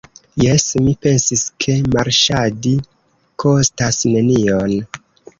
Jes, mi pensis, ke marŝadi kostas nenion.